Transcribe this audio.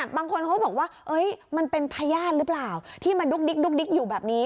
บางคนเขาบอกว่ามันเป็นพญาติหรือเปล่าที่มาดุ๊กดิ๊กอยู่แบบนี้